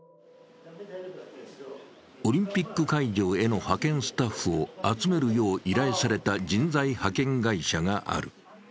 オリンピック会場への派遣スタッフを集めるよう依頼された人材派遣会社がある。